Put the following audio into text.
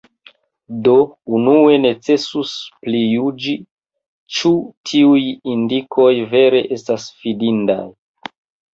Do, unue necesus prijuĝi, ĉu tiuj indikoj vere estas fidindaj.